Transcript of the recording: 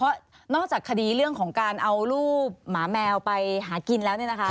เพราะนอกจากคดีเรื่องของการเอารูปหมาแมวไปหากินแล้วเนี่ยนะคะ